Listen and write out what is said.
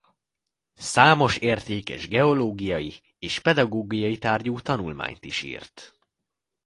Számos értékes geológiai és pedagógiai tárgyú tanulmányt is írt.